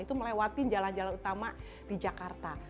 itu melewati jalan jalan utama di jakarta